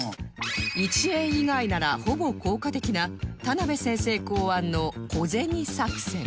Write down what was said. １円以外ならほぼ効果的な田邉先生考案の小銭作戦